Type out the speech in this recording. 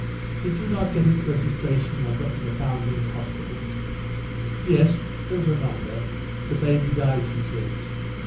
"Did you not get its registration number from the Foundlings' Hospital?" "Yes, there was a number, but the baby died," she said.